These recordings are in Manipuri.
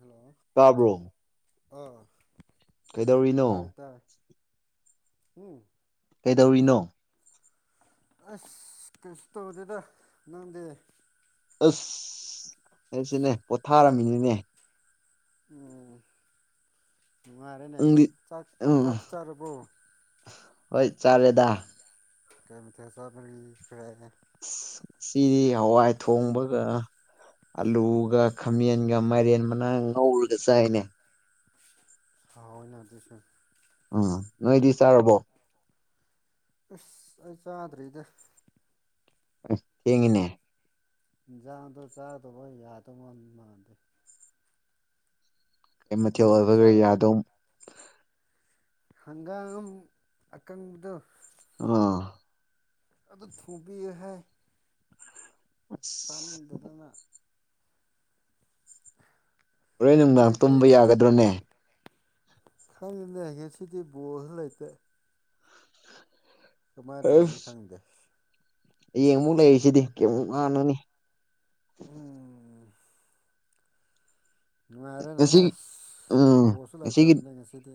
ꯍꯜꯂꯣ ꯇꯥꯕ꯭ꯔꯣ ꯑ ꯇꯥꯏ ꯀꯩꯗꯧꯔꯤꯅꯣ ꯇꯥꯏ ꯎꯝ ꯀꯩꯗꯧꯔꯤꯅꯣ ꯑꯁ ꯀꯩꯁꯨ ꯇꯧꯗꯦꯗ ꯅꯪꯗꯤ ꯑꯁ ꯑꯩꯁꯨꯅꯦ ꯄꯣꯊꯥꯔꯝꯃꯤꯅꯤꯅꯦ ꯑꯣ ꯅꯨꯡꯉꯥꯏꯔꯦꯅꯦ ꯅꯪꯗꯤ ꯆꯥꯛ ꯎꯝ ꯆꯥꯛ ꯆꯥꯔꯕꯣ ꯍꯣꯏ ꯆꯥꯔꯦꯗꯥ ꯀꯃꯤ ꯃꯊꯦꯜ [unintelligible] ꯁꯤꯗꯤ ꯍꯋꯥꯏ ꯊꯣꯡꯕꯒ ꯑꯥꯂꯨꯒ ꯈꯥꯃꯦꯟꯒ ꯃꯥꯏꯔꯦꯟ ꯃꯅꯥ ꯉꯧꯔꯒ ꯆꯥꯏꯅꯦ ꯍꯥꯎꯢꯅ ꯑꯗꯨꯁꯨ ꯎꯝ ꯅꯣꯏꯗꯤ ꯆꯥꯔꯕꯣ ꯑꯁ ꯑꯩ ꯆꯥꯗ꯭ꯔꯤꯗ ꯊꯦꯡꯉꯦꯅꯦ ꯖꯥꯡꯗꯣ ꯆꯥꯗꯧꯕ ꯌꯥꯗꯧ ꯃꯥꯟꯗꯕ ꯀꯩ ꯃꯊꯦꯜ ꯃꯤꯅ ꯑꯣꯏꯕ ꯀꯔꯤꯌꯥ ꯆꯥꯕꯗꯣ ꯑꯗꯨꯝ ꯍꯪꯒꯥꯝ ꯑꯀꯪꯕꯗ ꯑꯥ ꯑꯗꯨ ꯊꯣꯕꯤꯌꯦ ꯍꯥꯏ ꯑꯁ ꯆꯥꯅꯤꯡꯗꯗꯅ [unintelligible] ꯍꯣꯔꯦꯟ ꯅꯨꯡꯗꯥꯡ ꯅꯣꯏꯗꯤ ꯇꯨꯝꯕ ꯌꯥꯒꯗ꯭ꯔꯣꯅꯦ ꯈꯪꯗꯦ ꯉꯥꯁꯤꯗꯤ ꯕꯣꯜꯁꯨ ꯂꯩꯇꯦ ꯀꯃꯥꯏꯅ ꯇꯧꯔꯅꯤ ꯈꯪꯗꯦ ꯍꯌꯦꯡ ꯑꯃꯨꯛ ꯂꯩꯔꯤꯁꯤꯗꯤ ꯀꯩꯃꯨꯛ ꯉꯥꯟꯅꯨꯅꯤ ꯎꯝ ꯅꯨꯡꯉꯥꯏꯔꯦ ꯉꯁꯤ ꯅꯦꯍꯦ ꯎꯝ ꯕꯣꯁꯁꯨ ꯉꯁꯤꯒꯤ ꯂꯩꯇ꯭ꯔꯕꯅꯦ ꯉꯁꯤꯗꯤ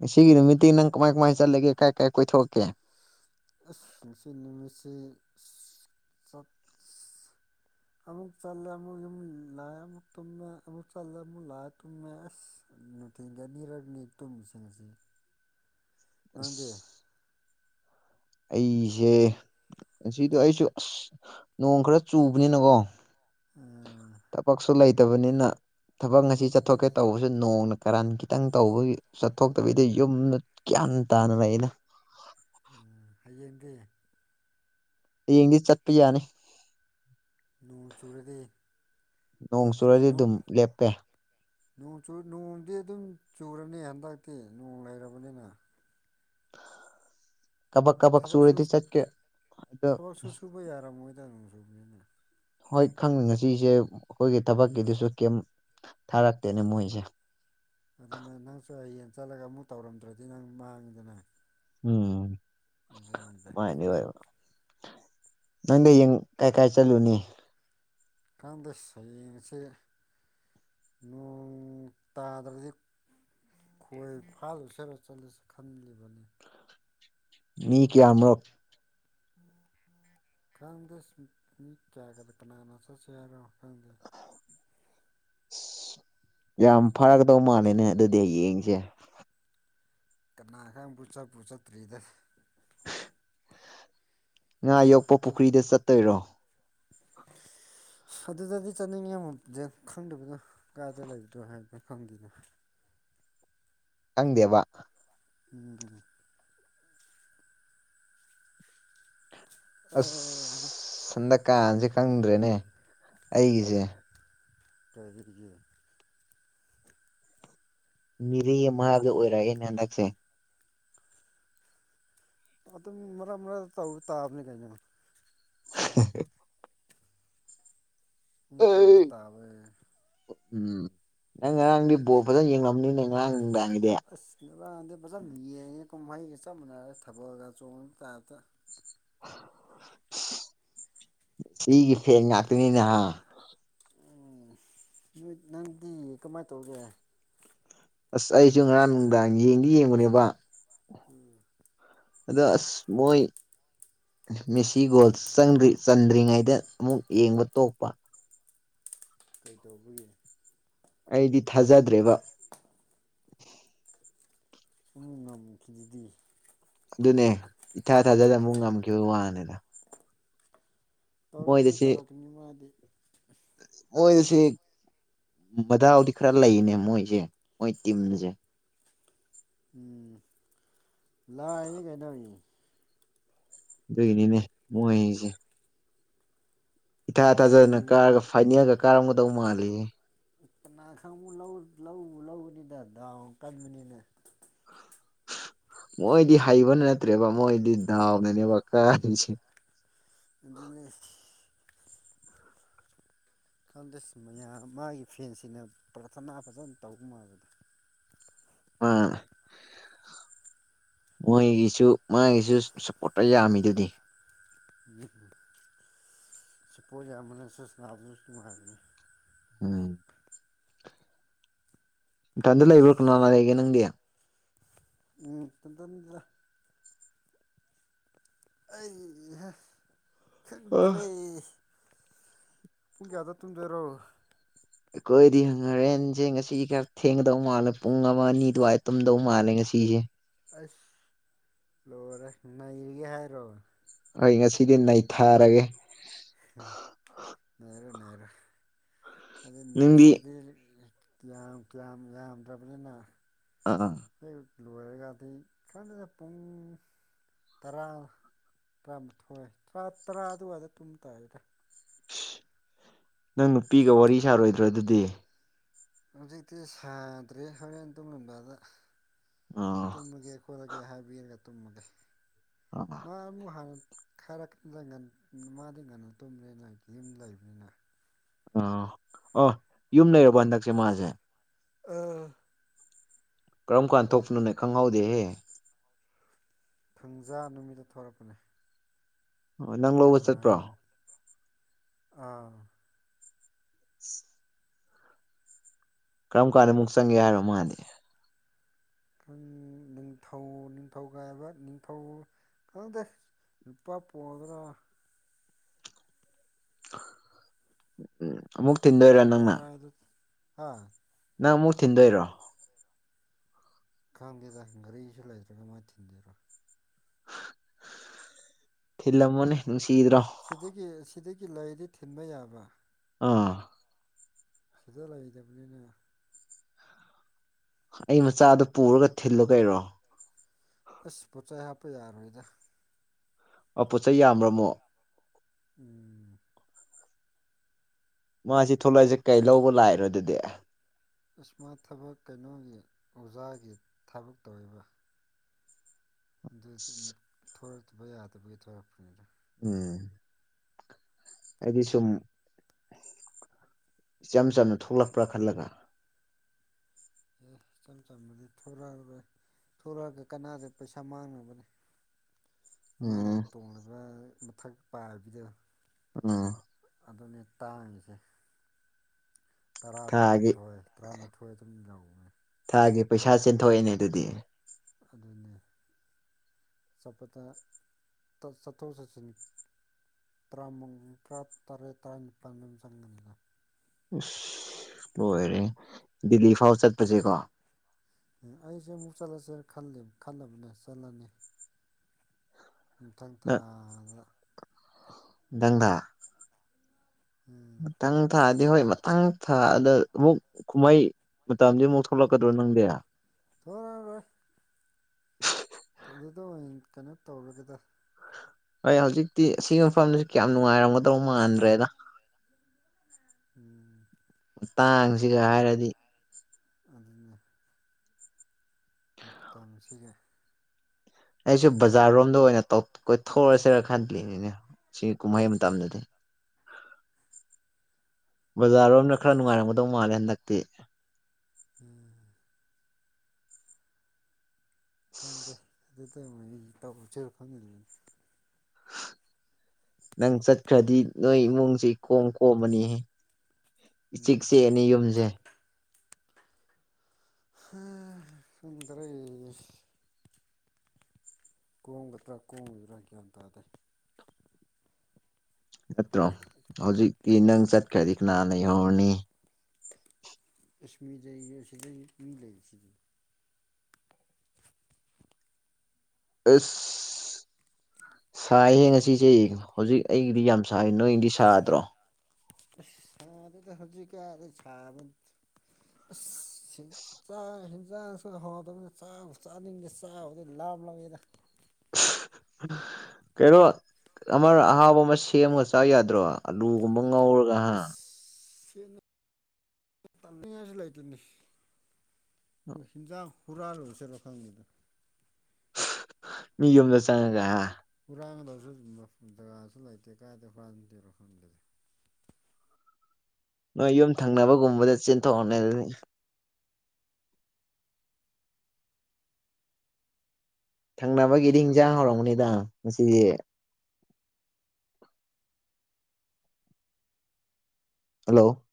ꯉꯁꯤꯒꯤ ꯅꯨꯃꯤꯠꯇꯤ ꯅꯪ ꯀꯃꯥꯏ ꯀꯃꯥꯏꯅ ꯆꯠꯂꯒꯦ ꯀꯥꯏ ꯀꯥꯏ ꯀꯣꯏꯊꯣꯛꯀꯦ ꯑꯁ ꯉꯁꯤ ꯅꯨꯃꯤꯠꯁꯤ ꯆꯠ ꯑꯃꯨꯛ ꯆꯠꯂꯦ ꯑꯃꯨꯛ ꯌꯨꯝ ꯂꯥꯑꯦ ꯑꯃꯨꯛ ꯇꯨꯝꯃꯦ ꯑꯃꯨꯛ ꯆꯠꯂꯦ ꯑꯃꯨꯛ ꯂꯥꯑꯦ ꯇꯨꯝꯃꯦ ꯑꯁ ꯅꯨꯡꯊꯤꯟꯒꯤ ꯑꯅꯤꯔꯛꯅꯤ ꯇꯨꯝꯃꯤꯁꯦ ꯉꯁꯤ ꯅꯪꯗꯤ ꯑꯁ ꯑꯩꯁꯦ ꯉꯁꯤꯗꯣ ꯑꯩꯁꯨ ꯑꯁ ꯅꯣꯡ ꯈꯔ ꯆꯨꯕꯅꯤꯅꯀꯣ ꯎꯝ ꯊꯕꯛꯁꯨ ꯂꯩꯇꯕꯅꯤꯅ ꯊꯕꯛ ꯑꯁꯤ ꯆꯠꯊꯣꯛꯀꯦ ꯇꯧꯕꯁꯨ ꯅꯣꯡꯅ ꯀꯔꯥꯟ ꯈꯤꯇꯪ ꯇꯧꯕꯒꯤ ꯆꯠꯊꯣꯛꯇꯕꯤꯗ ꯌꯨꯝꯗ ꯒ꯭ꯌꯥꯟ ꯇꯅ ꯂꯩꯩꯗ ꯍꯌꯦꯡꯗꯤ ꯍꯌꯦꯡꯗꯤ ꯆꯠꯄ ꯌꯥꯅꯤ ꯅꯣꯡ ꯆꯨꯔꯗꯤ ꯅꯣꯡ ꯆꯨꯔꯗꯤ ꯅꯣꯡ ꯑꯗꯨꯝ ꯂꯦꯞꯄꯦ ꯅꯣꯡ ꯅꯣꯡꯗꯤ ꯑꯗꯨꯝ ꯆꯨꯔꯅꯤ ꯍꯟꯗꯛꯇꯤ ꯅꯣꯡ ꯂꯩꯔꯕꯅꯤꯅ ꯀꯕꯛ ꯀꯕꯛ ꯊꯕꯛꯁꯨ ꯁꯨꯨꯔꯗꯤ ꯆꯠꯀꯦ ꯑꯗꯣ ꯊꯕꯛꯁꯨ ꯁꯨꯕ ꯌꯥꯔꯝꯃꯣꯏꯗ ꯅꯣꯡ ꯆꯨꯕꯅꯤꯅ ꯍꯣꯏ ꯈꯪꯅꯤ ꯉꯁꯤꯁꯦ ꯑꯩꯈꯣꯏꯒꯤ ꯊꯕꯛꯀꯤꯗꯨꯁꯨ ꯀꯩꯝ ꯊꯥꯔꯛꯇꯦꯅꯦ ꯃꯣꯏꯁꯦ ꯑꯗꯨꯅ ꯅꯪꯁꯨ ꯍꯌꯦꯡ ꯆꯠꯂꯒ ꯑꯃꯨꯛ ꯇꯧꯔꯝꯗ꯭ꯔꯗꯤ ꯅꯪ ꯃꯥꯡꯉꯤꯗꯅ ꯎꯝ ꯑꯗꯨꯅꯤꯗ ꯃꯥꯥꯏꯗꯤ ꯑꯣꯏ ꯅꯪꯗꯤ ꯌꯦꯡ ꯀꯥꯏ ꯀꯥꯏ ꯆꯠꯂꯨꯅꯤ ꯀꯥꯟꯗ ꯁꯅꯁꯦ ꯅꯣꯡ ꯇꯥꯗ꯭ꯔꯗꯤ ꯈꯣꯏ ꯐꯥꯂꯨꯁꯦꯠꯂ ꯆꯠꯂꯁꯤ ꯈꯜꯂꯤꯕꯅꯤ ꯃꯤ ꯀꯌꯥꯃꯔꯛ ꯈꯪꯗꯦ ꯁ ꯃꯤ ꯀꯌꯥꯒꯗ ꯀꯅꯥꯅ ꯆꯠꯁꯦ ꯍꯥꯏꯔꯣ ꯈꯪꯗꯦ ꯑꯁ ꯌꯥꯝ ꯐꯔꯛꯀꯗꯧ ꯃꯥꯜꯂꯦꯅꯦ ꯑꯗꯨꯗꯤ ꯍꯌꯦꯡꯁꯦ ꯀꯅꯥꯒꯪꯕꯨ ꯆꯠꯄ ꯆꯠꯇ꯭ꯔꯤꯗ ꯉꯥ ꯌꯣꯛꯄ ꯄꯨꯈ꯭ꯔꯤꯗ ꯆꯠꯇꯣꯏꯔꯣ ꯑꯗꯨꯗꯗꯤ ꯆꯠꯅꯤꯡꯉꯤꯦ ꯃ ꯈꯪꯗꯕꯗꯣ ꯀꯥꯏꯗ ꯂꯩꯕꯅꯣ ꯍꯥꯏꯕꯗꯣ ꯈꯪꯗꯤꯅꯦ ꯇꯧꯗꯦꯕ ꯎꯝ ꯑꯁ ꯍꯟꯗꯛ ꯀꯥꯡꯁꯦ ꯈꯪꯗ꯭ꯔꯦꯅꯦ ꯑꯩꯒꯤꯁꯦ ꯀꯔꯤꯒꯤ ꯃꯤꯔꯤꯦ ꯑꯃꯒ ꯑꯣꯏꯔꯛꯑꯦꯅꯦ ꯍꯟꯗꯛꯁꯦ ꯑꯗꯨꯝ ꯃꯔꯛ ꯃꯔꯛ ꯇꯥꯕꯅꯤ ꯀꯩꯅꯣ [unintelligible] ꯑꯃꯨꯝꯛ ꯇꯧꯕ ꯇꯥꯕ ꯎꯝ ꯅꯪ ꯉꯔꯥꯡꯗꯤ ꯕꯣꯔ ꯐꯖꯅ ꯌꯦꯡꯂꯝꯅꯤꯅꯦ ꯅꯪ ꯉꯔꯥꯡ ꯅꯨꯡꯗꯥꯡꯒꯤꯗꯤ ꯑꯁ ꯅꯕꯗꯤ ꯐꯖꯅ ꯌꯦꯡꯉꯦ ꯀꯨꯝꯍꯩꯒ ꯆꯞ ꯃꯥꯟꯅꯔꯦ ꯊꯕꯛꯑꯒ ꯆꯣꯡꯕ ꯇꯥꯔꯇ ꯁꯤꯒꯤ ꯐꯦꯟ ꯉꯥꯛꯇꯅꯤꯅꯦ ꯍꯥ ꯎꯝ ꯅꯨ ꯅꯪꯗꯤ ꯀꯃꯥꯏ ꯇꯧꯒꯦ ꯑꯁ ꯑꯩꯁꯨ ꯉꯔꯥꯡ ꯅꯨꯡꯗꯥꯡ ꯌꯦꯡꯗꯤ ꯌꯦꯡꯕꯅꯦꯕ ꯎꯝ ꯑꯗ ꯑꯁ ꯃꯣꯏ ꯃꯦꯁꯤ ꯒꯣꯜ ꯆꯪꯗ꯭ꯔꯤ ꯆꯟꯗ꯭ꯔꯤꯉꯩꯗ ꯑꯃꯨꯛ ꯌꯦꯡꯕ ꯇꯣꯛꯄ ꯀꯩ ꯇꯧꯕꯒꯤ ꯑꯩꯗꯤ ꯊꯥꯖꯗ꯭ꯔꯦꯕ ꯎꯝ ꯉꯝꯈꯤꯗꯨꯗꯤ ꯑꯗꯨꯅꯦ ꯏꯊꯥ ꯊꯥꯖꯗꯅ ꯑꯃꯨꯛ ꯉꯝꯈꯤꯕ ꯋꯥꯅꯤꯗ ꯇꯧꯔꯛꯀꯅꯤ ꯃꯣꯏꯗꯁꯤ ꯇꯧꯔꯛꯀꯅꯤ ꯃꯥꯗꯤ ꯃꯣꯏꯁꯦ ꯃꯗꯥꯥꯎꯗꯤ ꯈꯔ ꯂꯩꯅꯦ ꯃꯣꯏꯁꯦ ꯃꯣꯏ ꯇꯤꯝꯁꯦ ꯎꯝ ꯂꯥꯏꯅꯤ ꯀꯥꯏꯅꯏ ꯑꯗꯨꯒꯤꯅꯤꯅꯦ ꯃꯣꯏꯁꯦ ꯏꯊꯥ ꯊꯥꯖꯗꯅ ꯍꯩ ꯀꯥꯔꯒ ꯐꯥꯏꯅꯦꯜꯒ ꯀꯥꯔꯝꯒꯗꯧ ꯃꯥꯜꯂꯤꯍꯦ ꯀꯅꯥ ꯈꯪꯕꯨ ꯂꯧ ꯂꯧ ꯂꯧꯕꯅꯤꯗ ꯗꯥꯎ ꯀꯟꯕꯅꯤꯅ ꯃꯣꯏꯗꯤ ꯍꯩꯕ ꯅꯠꯇ꯭ꯔꯦꯕ ꯃꯣꯏꯗꯤ ꯗꯥꯎꯗꯅꯦꯕ ꯀꯥꯔꯤꯁꯦ ꯑꯗꯨꯅꯦ ꯍꯟꯗꯁ ꯃꯌꯥꯝ ꯃꯥꯒꯤ ꯐꯦꯟꯁꯤꯅ ꯄ꯭ꯔꯊꯅꯥ ꯐꯖꯅ ꯇꯧꯕ ꯃꯥꯜꯂꯦꯗ ꯑꯥ ꯃꯣꯏꯒꯤꯁꯨ ꯃꯥꯒꯤꯁꯨ ꯁꯞꯄꯣꯔꯠꯇ ꯌꯥꯝꯃꯤꯗꯨꯗꯤ [unintelligible] ꯁꯤ ꯄꯣꯠ ꯌꯥꯝꯕꯅꯁꯧ ꯁꯥꯔꯤꯌꯦ ꯅꯨꯡꯉꯥꯏꯕꯅꯤ ꯎꯝ ꯏꯊꯟꯗ ꯑꯁ ꯂꯩꯕ꯭ꯔꯥ ꯀꯅꯥ ꯂꯥꯛꯑꯦꯒꯦ ꯅꯪꯗꯤ ꯎꯝ ꯇꯟꯗꯟꯗ ꯑꯩ ꯍꯦ ꯈꯪꯗ꯭ꯔꯦ ꯑꯩꯈꯣꯏꯗꯤ ꯄꯨꯡ ꯀꯌꯥꯗ ꯇꯨꯝꯗꯣꯏꯔꯣ ꯑꯩꯈꯣꯏꯗꯤ ꯍꯪ ꯍꯔꯦꯟꯖꯦ ꯉꯁꯤ ꯈꯔ ꯊꯦꯡꯒꯗꯧ ꯃꯥꯜꯂꯦ ꯄꯨꯡ ꯑꯃ ꯑꯅꯤ ꯑꯗꯨꯋꯥꯏ ꯇꯨꯝꯗꯧ ꯃꯥꯜꯂꯦ ꯉꯁꯤꯁꯦ ꯑꯁ ꯂꯣꯏꯔꯦ ꯅꯩꯔꯤꯒꯦ ꯍꯥꯏꯔꯣ ꯑꯩ ꯉꯁꯤꯗꯤ ꯅꯩꯊꯥꯔꯒꯦ [unintelligible] ꯅꯩꯔꯣ ꯅꯩꯔꯣ ꯑꯗꯨꯅ ꯅꯪꯗꯤ ꯉꯁꯤꯗꯤ ꯀꯤꯌꯥꯝ ꯀꯌꯥꯝ ꯌꯥꯝꯗ꯭ꯔꯕꯅꯤꯅ ꯑ ꯑ ꯍꯦꯛ ꯂꯣꯏꯔꯒꯗꯤ ꯈꯪꯗꯦꯗ ꯄꯨꯡ ꯇꯔꯥ ꯇꯔꯥꯃꯥꯊꯣꯏ ꯇꯔꯥ ꯇꯔꯥ ꯑꯗꯨꯋꯥꯏꯗ ꯇꯨꯝ ꯇꯥꯔꯗ꯭ꯔꯥ ꯅꯪ ꯅꯨꯄꯤꯒ ꯋꯥꯔꯤ ꯁꯥꯔꯣꯏꯗ꯭ꯔꯣ ꯑꯗꯨꯗꯤ ꯍꯧꯖꯤꯛꯇꯤ ꯁꯥꯗ꯭ꯔꯦ ꯍꯣꯔꯦꯟ ꯇꯨꯝꯃꯝꯗꯥꯏꯗ ꯑꯥ ꯇꯨꯝꯃꯒꯦ ꯈꯣꯠꯂꯒꯦ ꯍꯥꯏꯕꯤꯔꯒ ꯇꯨꯝꯃꯒꯦ ꯑ ꯃꯥ ꯑꯃꯨꯛ ꯍꯥꯟꯅ [unintelligible] ꯃꯥꯗꯤ ꯉꯟꯅ ꯇꯨꯝꯕꯅꯤꯅ ꯑꯩ ꯌ ꯌꯨꯝ ꯂꯩꯕꯅꯤꯅ ꯑꯥ ꯑ ꯌꯨꯝ ꯂꯩꯔꯕꯣ ꯍꯟꯗꯛꯁꯦ ꯃꯥꯁꯦ ꯑꯥ ꯀꯔꯝ ꯀꯥꯟꯗ ꯊꯣꯛꯄꯅꯣꯅꯦ ꯈꯪꯍꯧꯗꯦꯍꯦ ꯊꯪꯖꯥ ꯅꯨꯃꯤꯠꯇ ꯊꯣꯔꯛꯄꯅꯦ ꯑꯣ ꯅꯪ [unintelligible] [unintelligible] ꯑꯥꯎ [inaudible] ꯀꯔꯝ ꯀꯥꯟꯗ ꯑꯃꯨꯛ ꯆꯪꯒꯦ ꯍꯥꯏꯅꯣ ꯃꯥꯗꯤ ꯈꯪ ꯅꯤꯡꯊꯧ ꯅꯤꯡꯊꯧꯒꯥꯏꯕ ꯅꯤꯡꯊꯧ ꯈꯪꯗꯦ ꯅꯨꯄꯥ [unintelligible] ꯎꯝ ꯑꯃꯨꯛ ꯊꯤꯟꯗꯣꯏꯔꯣ ꯅꯪꯅ ꯅꯤꯡꯊꯧꯀꯥꯗꯨ ꯍꯥ ꯅꯪ ꯑꯃꯨꯛ ꯊꯤꯟꯗꯣꯏꯔꯣ ꯈꯪꯗꯦꯗ ꯒꯥꯔꯤꯁꯨ ꯂꯩꯇ꯭ꯔꯒ ꯀꯃꯥꯥꯏ ꯊꯤꯟꯗꯣꯏꯔꯣ ꯊꯤꯜꯂꯝꯃꯣꯅꯦ ꯅꯨꯡꯁꯤꯗ꯭ꯔꯣ ꯁꯤꯗꯒꯤ ꯁꯤꯗꯒꯤ ꯂꯩꯑꯗꯤ ꯊꯤꯟꯕ ꯌꯥꯕ ꯑꯥ ꯐꯖꯅ ꯂꯩꯇꯕꯅꯤꯅꯦ ꯑꯩ ꯃꯆꯥꯗꯨ ꯄꯨꯔꯒ ꯊꯤꯜꯂꯣ ꯀꯩꯅꯣ ꯑꯁ ꯄꯣꯠꯆꯩ ꯍꯥꯞꯄ ꯌꯥꯔꯣꯏꯗ ꯑ ꯄꯣꯠꯆꯩ ꯌꯥꯝꯕ꯭ꯔꯣ ꯑꯃꯨꯛ ꯎꯝ ꯃꯥꯁꯤ ꯊꯣꯛꯂꯛꯏꯁꯦ ꯀꯩ ꯂꯧꯕ ꯂꯥꯛꯏꯔꯣ ꯑꯗꯨꯗꯤ ꯏꯁ ꯃꯥ ꯊꯕꯛ ꯀꯩꯅꯣꯒꯤ ꯑꯣꯖꯥꯒꯤ ꯊꯕꯛ ꯇꯧꯋꯦꯕ ꯑꯗꯨꯗꯨꯟ ꯑꯁ ꯊꯣꯔꯛꯇꯕ ꯌꯥꯗꯕꯒꯤ ꯊꯣꯔꯛꯄꯅꯤꯗ ꯎꯝ ꯑꯩꯗꯤ ꯁꯨꯝ ꯏꯆꯝ ꯆꯝꯅ ꯊꯣꯛꯂꯛꯄ꯭ꯔꯥ ꯈꯜꯂꯒ ꯑꯦ ꯏꯆꯝ ꯆꯝꯕꯗꯤ ꯊꯣꯔꯛꯑꯔꯣꯏ ꯊꯣꯔꯛꯑꯒ ꯀꯅꯥꯗ ꯄꯩꯁꯥ ꯃꯥꯡꯅꯕꯅꯤ ꯃꯥꯅ ꯎꯝ ꯇꯣꯡꯂꯤꯕ ꯃꯊꯛ ꯄꯥꯏꯕꯤꯗꯣ ꯎꯝ ꯑꯗꯨꯅꯦ ꯇꯥꯡꯉꯤꯁꯦ ꯇꯔꯥ ꯊꯥꯒꯤ ꯇꯔꯥꯃꯥꯊꯣꯏ ꯇꯔꯥꯅꯤꯊꯣꯏ ꯑꯗꯨꯝ ꯌꯥꯎꯕꯅꯤ ꯊꯥꯒꯤ ꯄꯩꯁꯥ ꯆꯦꯟꯊꯣꯛꯑꯦꯅꯦ ꯑꯗꯨꯗꯤ ꯑꯗꯨꯅꯤ ꯆꯠꯄꯗ ꯇ ꯆꯠꯊꯣꯛ ꯆꯠꯁꯤꯟ ꯇꯔꯥꯃꯪ ꯇ꯭ꯔꯥ ꯇꯔꯦꯠ ꯇꯔꯥꯅꯤꯄꯥꯜ ꯑꯗꯨꯝ ꯆꯪꯕꯅꯤꯗ ꯑꯁ ꯂꯣꯏꯔꯦ ꯗꯤꯂꯤ ꯐꯥꯎ ꯆꯠꯄꯁꯦꯀꯣ ꯎꯝ ꯑꯩꯁꯦ ꯑꯃꯨꯛ ꯆꯠꯂꯁꯦ ꯈꯜꯂꯤꯝ ꯈꯜꯂꯕꯅꯦ ꯆꯠꯂꯅꯤ ꯃꯊꯪ ꯊꯥꯗ ꯅꯪꯅꯥ ꯎꯝ ꯑꯇꯪ ꯊꯥꯗꯤ ꯍꯣꯏ ꯃꯊꯪ ꯊꯥꯗ ꯑꯃꯨꯛ ꯀꯨꯝꯍꯩ ꯃꯇꯝꯗꯤ ꯑꯃꯨꯛ ꯊꯣꯛꯂꯛꯀꯗ꯭ꯔꯣ ꯅꯪꯗꯤ ꯊꯣꯔꯥꯔꯣꯢ ꯑꯗꯨꯗꯣ ꯑꯣꯏꯟ ꯀꯩꯅꯣ ꯇꯧꯔꯒꯦꯗ ꯑꯩ ꯍꯧꯖꯤꯛꯇꯤ ꯁꯤ ꯃꯐꯝꯖꯤ ꯀꯌꯥꯝ ꯅꯨꯡꯉꯥꯏꯔꯝꯒꯗꯧ ꯃꯥꯟꯗ꯭ꯔꯦꯗ ꯎꯝ ꯃꯇꯥꯡꯁꯤꯒ ꯍꯥꯏꯔꯗꯤ ꯑꯗꯨꯅꯦ ꯃꯇꯝꯁꯤꯒꯤ ꯑꯩꯁꯨ ꯕꯖꯥꯔꯣꯝꯗ ꯑꯣꯏꯅ ꯇꯧ ꯀꯣꯏꯊꯣꯛꯑꯁꯦꯔꯥ ꯈꯜꯂꯤꯅꯤꯅꯦ ꯁꯤ ꯀꯨꯝꯍꯩ ꯃꯇꯝꯗꯗꯤ ꯕꯖꯥꯔꯔꯣꯝꯅ ꯈꯔ ꯅꯨꯡꯉꯥꯏꯔꯝꯒꯗꯧ ꯃꯥꯜꯂꯦ ꯍꯟꯗꯛꯇꯤ ꯎꯝ ꯀꯥꯟꯗꯦ ꯑꯗꯨꯗ [unintelligible] ꯇꯧꯖꯤꯔ ꯈꯪꯗꯦꯅꯦ ꯅꯪ ꯆꯠꯈ꯭ꯔꯗꯤ ꯅꯣꯏ ꯏꯃꯨꯡꯁꯤ ꯏꯀꯣꯝ ꯀꯣꯝꯃꯅꯤꯍꯦ ꯏꯆꯤꯛ ꯎꯝ ꯆꯤꯛꯑꯅꯤ ꯌꯨꯝꯖꯦ ꯍꯥ ꯈꯪꯗ꯭ꯔꯦ ꯀꯣꯡꯒꯗ꯭ꯔꯥ ꯀꯣꯡꯒꯗ꯭ꯔꯥ ꯒ꯭ꯌꯥꯟ ꯇꯥꯗꯦ ꯅꯠꯇ꯭ꯔꯣ ꯍꯧꯖꯤꯛꯇꯤ ꯅꯪ ꯆꯠꯈ꯭ꯔꯗꯤ ꯀꯅꯥ ꯂꯩꯍꯧꯔꯅꯤ ꯑꯦꯁꯃꯤꯗꯩ ꯑꯁꯤꯗꯩ ꯃꯤ ꯂꯩꯕꯁꯤꯗꯤ ꯑꯁ ꯁꯥꯏꯍꯦ ꯉꯁꯤꯁꯦ ꯍꯧꯖꯤꯛ ꯑꯩꯒꯤꯗꯤ ꯌꯥꯝ ꯁꯥꯏ ꯅꯣꯏꯗꯤ ꯁꯥꯗ꯭ꯔꯣ ꯑꯁ ꯁꯥꯗꯦꯗ ꯍꯧꯖꯤꯛ ꯀꯥꯟ ꯁꯥꯕ ꯑꯁ ꯆꯥꯛ ꯍꯤꯟꯖꯥꯡꯁꯨ ꯍꯥꯎꯇꯕꯅꯤꯅ ꯆꯥꯕꯨ ꯆꯥꯅꯤꯡꯗꯦ ꯆꯥꯔꯨꯗꯤ ꯂꯥꯝꯃꯛ ꯑꯦꯗꯥ [unintelligible] ꯀꯩꯅꯣ ꯑꯃ ꯑꯍꯥꯎꯕ ꯑꯃ ꯁꯦꯝꯃꯒ ꯆꯥ ꯌꯥꯗ꯭ꯔꯣ ꯑꯂꯨꯒꯨꯝꯕ ꯉꯧꯔ ꯑꯁ [unintelligible] ꯇꯥꯟꯅꯤꯡꯉꯥꯏꯁꯨ ꯂꯩꯇꯦꯅꯦ ꯍꯤꯟꯖꯥꯡ ꯍꯨꯔꯥꯜꯂꯨꯁꯦꯔꯥ ꯈꯪꯗꯦꯗ ꯃꯤ ꯌꯨꯝꯗ ꯆꯪꯉꯒ ꯍꯥ ꯍꯨꯔꯥꯟꯒꯗꯕꯁꯨ ꯃꯐꯝ ꯖꯒꯥꯁꯨ ꯂꯩꯇꯦ ꯀꯥꯏꯗꯩ ꯍꯨꯔꯥꯟ ꯗꯣꯏꯔꯣ ꯈꯪꯗꯦ ꯅꯣꯏ ꯌꯨꯝ ꯊꯪꯅꯕꯒꯨꯝꯕꯗ ꯆꯦꯟꯊꯣꯛꯑꯣꯅꯦ ꯑꯗꯨꯗꯤ ꯊꯪꯅꯕꯒꯤꯗꯤ ꯏꯟꯖꯥꯡ ꯍꯥꯎꯔꯝꯒꯅꯤꯗ ꯉꯁꯤꯗꯤ ꯍꯜꯂꯣ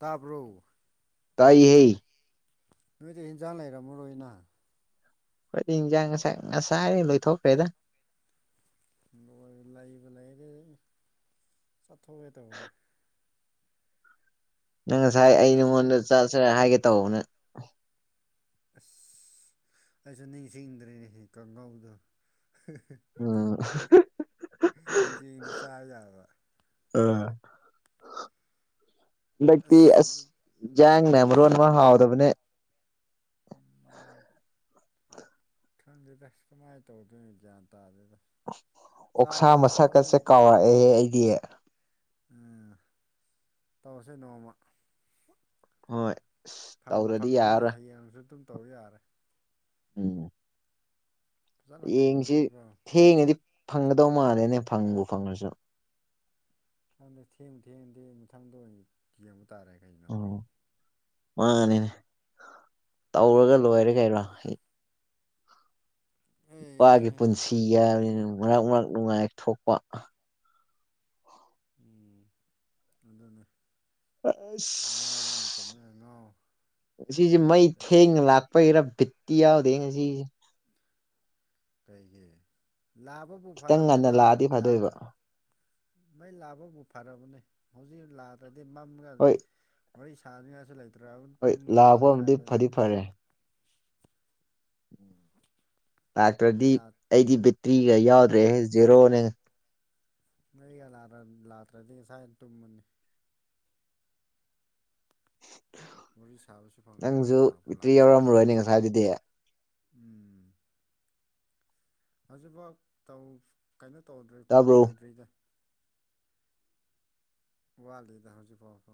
ꯇꯥꯕ꯭ꯔꯣ ꯇꯥꯏꯌꯦ ꯅꯣꯏꯗꯤ ꯍꯤꯟꯖꯥꯡ ꯂꯩꯔꯝꯃꯔꯣꯏꯅ ꯈꯣꯏꯗꯤ ꯍꯤꯟꯖꯥꯡ ꯉꯁꯥ ꯉꯁꯥꯢꯅ ꯂꯣꯏꯊꯣꯛꯈ꯭ꯔꯦꯗ ꯂꯣꯏ ꯂꯩꯕ ꯂꯩꯔꯦ ꯆꯠꯊꯣꯛꯑꯒꯦ ꯇꯧꯋꯦ ꯅꯪ ꯉꯁꯥꯏ ꯑꯩ ꯍꯤꯟꯖꯥꯡꯁꯦ ꯅꯉꯣꯟꯗ ꯑꯁ ꯆꯥꯁꯤꯔꯦ ꯍꯥꯏꯒꯦ ꯇꯧꯕꯅꯦ ꯑꯁ ꯑꯩꯁꯨ ꯅꯤꯡꯁꯤꯡꯗ꯭ꯔꯦꯅꯦ ꯀꯥꯡꯉꯥꯎꯗꯣ ꯎꯝ ꯅꯤꯡꯁꯤꯡꯗꯤ ꯆꯥ [unintelligible] ꯌꯥꯕ ꯍꯟꯗꯛꯇꯤ ꯑꯁ ꯌꯥꯡꯅ ꯃꯔꯣꯟ ꯑꯃꯥ ꯍꯥꯎꯇꯕꯅꯦ ꯎꯝ ꯈꯪꯗꯦꯗ ꯀꯃꯥꯏ ꯇꯧꯗꯣꯏꯅꯤ ꯒ꯭ꯌꯥꯟ ꯇꯥꯗꯦꯗ ꯑꯣꯛꯁꯥ ꯆꯥꯗ꯭ꯔꯁꯨ ꯍꯣꯔꯦꯟ ꯃꯁꯛꯀꯁꯦ ꯀꯥꯎꯔꯛꯑꯦ ꯑꯩꯗꯤ ꯎꯝ ꯇꯧꯔꯁꯦ ꯅꯣꯡꯃ ꯍꯣꯏ ꯑꯁ ꯐꯪꯕꯨ ꯇꯧꯗ꯭ꯔꯗꯤ ꯐꯪꯉꯗꯤ ꯌꯥꯔꯔꯣꯏ ꯍꯌꯦꯡꯁꯨ ꯑꯗꯨꯝ ꯇꯧ ꯌꯥꯔꯦ ꯎꯝ ꯐꯖꯅ ꯌꯦꯡꯁꯤ ꯊꯣꯡꯉꯒꯀꯣ ꯊꯦꯡꯉꯗꯤ ꯐꯪꯒꯗꯧ ꯃꯥꯜꯂꯦꯅꯦ ꯐꯪꯕꯨ ꯐꯪꯉꯁꯨ ꯈꯪꯗꯦ ꯊꯦꯡꯕꯨ ꯊꯦꯡꯉꯗꯤ ꯃꯊꯪꯗ ꯑꯣꯏꯅ ꯌꯦꯡꯕ ꯇꯥꯔꯦ ꯀꯩꯅꯣ ꯎ ꯃꯥꯅꯤꯅꯦ ꯇꯧꯔꯒ ꯂꯣꯏꯔꯦ ꯀꯩꯅꯣ ꯅꯨꯄꯥꯒꯤ ꯑꯩꯍꯦ ꯄꯨꯟꯁꯤ ꯌꯥꯕꯅꯤꯅ ꯃꯔꯛ ꯃꯔꯛ ꯅꯨꯡꯉꯥꯏ ꯊꯣꯛꯄ ꯎꯝ ꯑꯗꯨꯗꯅꯦ ꯑ ꯃꯇꯝꯗꯅ ꯉꯥꯎ ꯁꯤꯖꯦ ꯃꯩ ꯊꯦꯡꯒ ꯂꯥꯛ ꯔꯥ ꯕꯤꯠꯇꯤ ꯌꯥꯗꯦ ꯉꯁꯤꯒꯤꯁꯦ ꯀꯩꯒꯤ ꯂꯥꯕꯕꯨ ꯈꯤꯇꯪ ꯐꯔꯕꯅꯦ ꯉꯟꯅ ꯂꯥꯛꯑꯗꯤ ꯂꯥꯕꯕꯨ ꯐꯗꯣꯏꯕ ꯃꯩ ꯂꯥꯉꯄꯕꯨ ꯐꯔꯕꯅꯦ ꯍꯧꯖꯤꯛ ꯂꯥꯛꯗ꯭ꯔꯗꯤ ꯃꯝꯔꯒ ꯍꯣꯏ ꯋꯥꯔꯤ ꯁꯥꯅ꯭ꯉꯥꯏꯁꯨ ꯂꯩꯇ꯭ꯔꯕ ꯍꯣꯏ ꯇꯨꯝꯃꯨꯔꯅꯤ ꯂꯥꯛꯄ ꯑꯃꯗꯤ ꯉꯁꯥꯏꯗꯅ ꯐꯗꯤ ꯐꯔꯦ ꯃꯩ ꯂꯥꯛꯇ꯭ꯔꯗꯤ ꯂꯥꯛ ꯑꯩꯗꯤ ꯕꯦꯇ꯭ꯔꯤꯒ ꯌꯥꯎꯗ꯭ꯔꯦ ꯖꯦꯔꯣꯅꯦ ꯅꯣꯏꯒ ꯂꯥꯛ ꯂꯥꯛꯇ꯭ꯔꯗꯤ ꯉꯁꯥꯏꯅ ꯇꯨꯝꯃꯅꯤ ꯋꯥꯔꯤ ꯁꯥꯕꯁꯨ ꯐꯪꯉꯔꯣꯏ ꯅꯪꯁꯨ ꯂꯥꯛꯄꯨ ꯕꯤꯇ꯭ꯔꯤ ꯂꯥꯛꯇ꯭ꯔꯗꯤ ꯌꯥꯎꯔꯝꯃꯔꯣꯏꯅꯦ ꯉꯁꯥꯏꯗꯨꯗꯤ ꯎꯝ ꯍꯧꯖꯤꯛꯐꯥꯎ ꯇꯧ ꯀꯩꯅꯣ ꯇꯧꯗ꯭ꯔꯤ ꯐꯨꯜ ꯇꯥꯕ꯭ꯔꯣ ꯑꯣꯏꯗ꯭ꯔꯤꯗ ꯋꯥꯂꯤꯗ ꯍꯧꯖꯤꯛ ꯐꯥꯎꯀꯣ